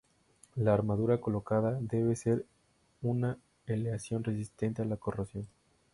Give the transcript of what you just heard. La armadura colocada debe ser de una aleación resistente a la corrosión.